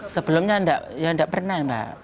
sebelumnya enggak pernah mbak